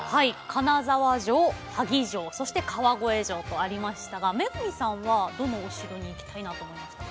金沢城萩城そして川越城とありましたが恵さんはどのお城に行きたいなと思いましたか？